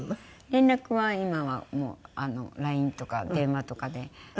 連絡は今はもうＬＩＮＥとか電話とかで。